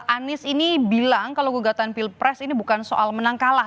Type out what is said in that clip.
anies ini bilang kalau gugatan pilpres ini bukan soal menang kalah